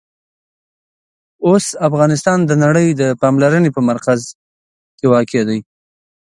اوس افغانستان د نړۍ د پاملرنې په مرکز کې واقع دی.